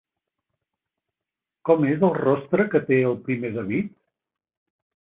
Com és el rostre que té el primer David?